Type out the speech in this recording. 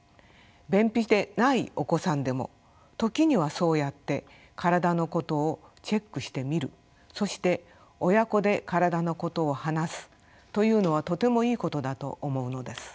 便秘でないお子さんでも時にはそうやって体のことをチェックしてみるそして親子で体のことを話すというのはとてもいいことだと思うのです。